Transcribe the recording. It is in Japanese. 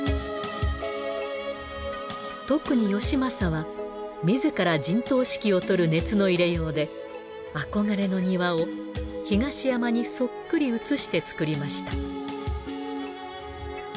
特に義政は自ら陣頭指揮を執る熱の入れようで憧れの庭を東山にそっくり写して造りました。